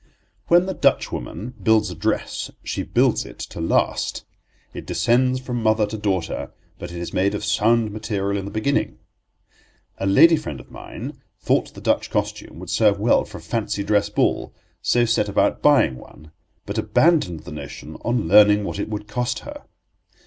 When the Dutchwoman builds a dress she builds it to last; it descends from mother to daughter, but it is made of sound material in the beginning. A lady friend of mine thought the Dutch costume would serve well for a fancy dress ball, so set about buying one, but abandoned the notion on learning what it would cost her.